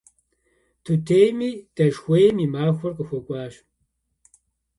Тутейми дэшхуейм и махуэр къыхуэкӏуащ.